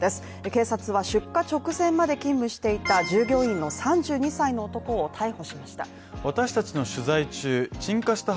警察は出火直前まで勤務していた従業員の３２歳の男を逮捕しました